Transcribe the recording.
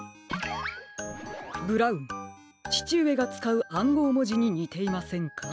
ブラウンちちうえがつかうあんごうもじににていませんか？